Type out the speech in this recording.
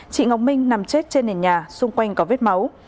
chị ngọc minh nằm chết trên nền nhà xung quanh có vết máu